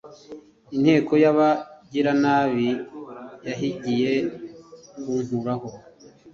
inteko y’abagiranabi yahigiye kunkuraho